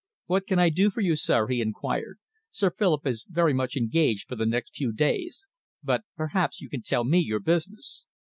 "What can I do for you, sir?" he enquired. "Sir Philip is very much engaged for the next few days, but perhaps you can tell me your business?"